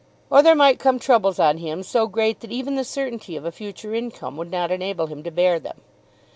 Or there might come troubles on him so great that even the certainty of a future income would not enable him to bear them.